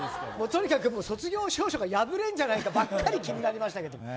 とにかく卒業証書が破れるんじゃないかばかり気になりました。